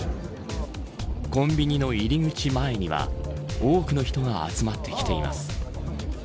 コンビニの入り口前には多くの人が集まってきています。